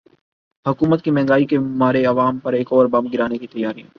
حکومت کی مہنگائی کے مارے عوام پر ایک اور بم گرانے کی تیاریاں